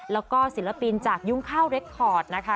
แล้วก็ศิลปินจากยุ้งข้าวเรคคอร์ดนะคะ